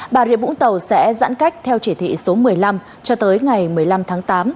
bà rịa vũng tàu sẽ giãn cách theo chỉ thị số một mươi năm cho tới ngày một mươi năm tháng tám